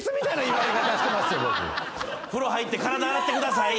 風呂入って体洗ってください。